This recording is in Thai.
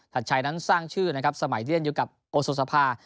ชัดชัยนั้นสร้างชื่อสมัยเลี่ยนอยู่กับโอโสภา